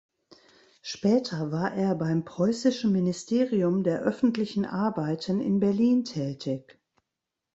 Später war er beim preußischen Ministerium der öffentlichen Arbeiten in Berlin tätig.